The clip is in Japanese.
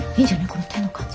この手の感じが。